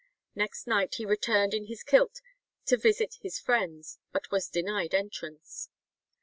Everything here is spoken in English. Next night he returned in his kilt to visit his friends, but was denied entrance.